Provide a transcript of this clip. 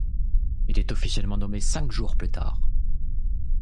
Il est officiellement nommé cinq jours plus tard.